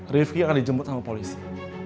rifki akan dijemput sama polisi